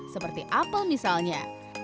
seperti apel misalnya